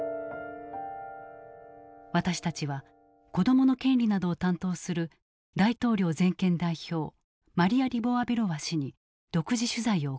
私たちは子どもの権利などを担当する大統領全権代表マリヤ・リボワベロワ氏に独自取材を行った。